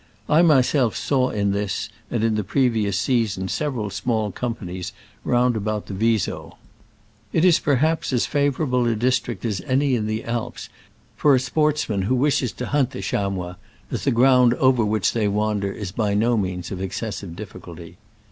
I myself saw in this and in the previous season several small companies round about the Viso. It is perhaps as favor able a district as any in the Alps for a sportsman who wishes to hunt the Digitized by Google SCRAMBLES AMONGST THE ALPS IN i86a '69. 29 chamois, as the ground over which they wander is by no means of excessive difficulty.